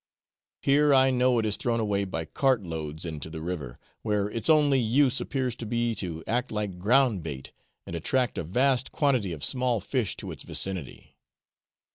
Here I know it is thrown away by cart loads into the river, where its only use appears to be to act like ground bait, and attract a vast quantity of small fish to its vicinity.